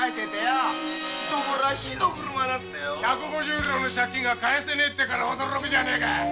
百五十両の借金が返せねえっていうから驚くじゃねえか。